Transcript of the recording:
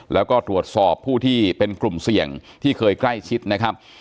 แล้วก็ตรวจสอบผู้ที่เป็นกลุ่มเสี่ยงที่เคยใกล้ชิดนะครับ